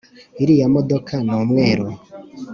iriya modoka ni umweru